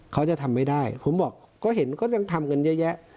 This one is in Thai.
เขาจะทำไม่ได้ผมบอกก็เห็นก็ยังทำกันเยอะแยะ